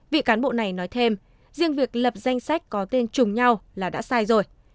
vị cán bộ này nói thêm riêng việc lập danh sách có tên chung nhau là đã sai rồi